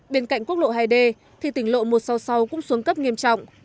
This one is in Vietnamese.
bên cạnh quốc lộ hai d thì tỉnh lộ một sáu sáu cũng xuống cấp nghiêm trọng